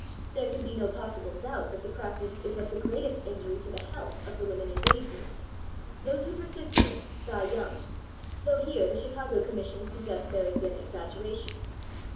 There can be no possible doubt that the practice is of the greatest injury to the health of the women engaged in it. Those who persist in it die young, though here the Chicago Commission suggests there has been exaggeration.